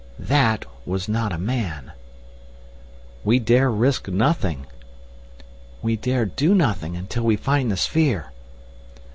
"That was not a man." "We dare risk nothing!" "We dare do nothing until we find the sphere!"